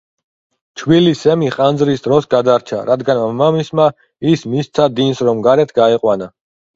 ჩვილი სემი ხანძრის დროს გადარჩა, რადგან მამამისმა ის მისცა დინს, რომ გარეთ გაეყვანა.